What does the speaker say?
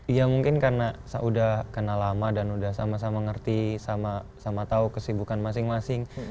iya mungkin karena saya udah kenal lama dan udah sama sama ngerti sama tahu kesibukan masing masing